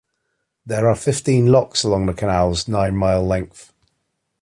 There are fifteen Locks along the canals nine mile length.